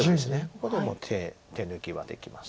ここでもう手抜きはできます。